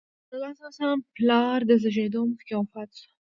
رسول الله ﷺ پلار د زېږېدو مخکې وفات شو.